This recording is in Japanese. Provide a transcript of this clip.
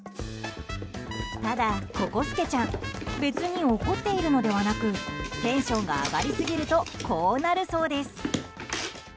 ただ、ココすけちゃん別に怒っているのではなくテンションが上がりすぎるとこうなるそうです。